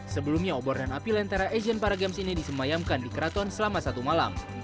sebelumnya obor dan api lentera asian paragames ini disemayamkan di keraton selama satu malam